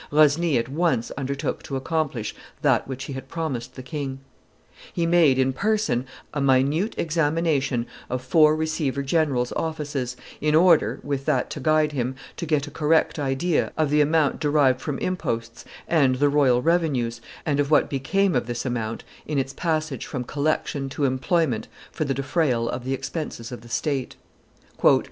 Rosny at once undertook to accomplish that which he had promised the king. He made, in person, a minute examination of four receiver generals' offices, in order, with that to guide him, to get a correct idea of the amount derived from imposts and the royal revenues, and of what became of this amount in its passage from collection to employment for the defrayal of the expenses of the state.